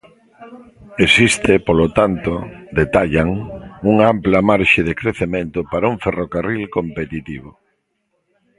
Existe, polo tanto, detallan, unha ampla marxe de crecemento para un ferrocarril competitivo.